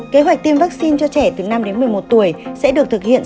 kế hoạch tiêm vaccine cho trẻ từ năm đến một mươi một tuổi sẽ được thực hiện